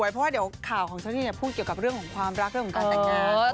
ทีนี้อาจจะแบ๊วสวย